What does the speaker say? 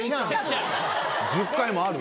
１０回もある？